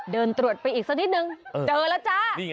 เดินตรวจไปอีกสักนิดนึงเจอแล้วจ้า